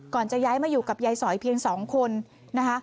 จะย้ายมาอยู่กับยายสอยเพียง๒คนนะคะ